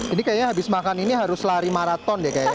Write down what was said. ini kayaknya habis makan ini harus lari maraton deh kayaknya